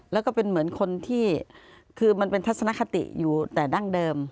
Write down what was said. แล้วก็เป็นเหมือนคนที่คือมันเป็นทัศนคติอยู่แต่ดั้งเดิม